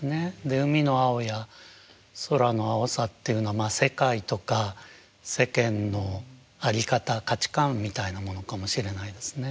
で海の青や空の青さっていうのは世界とか世間の在り方価値観みたいなものかもしれないですね。